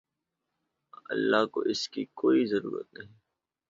اللہ کو اس کی کوئی ضرورت نہیں